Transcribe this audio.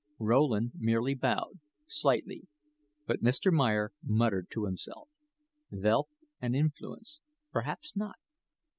Rowland merely bowed, slightly, but Mr. Meyer muttered to himself: "Vealth and influence. Berhaps not.